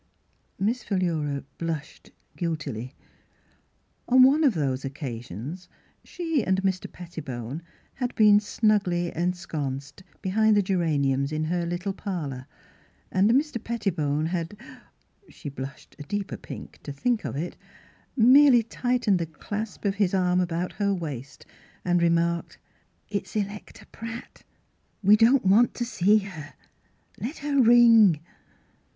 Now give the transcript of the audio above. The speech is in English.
Miss Philura blushed guiltily. On one of these occasions she and Mr. Pettibone had been snugly ensconced be hind the geraniums in her little parlour, and ]Mr. Pettibone had (she blushed a deeper pink to think of it) merely tight ened the clasp of his arm about her waist and remarked: " It's Electa Pratt ; we don't want to see her. Let her ring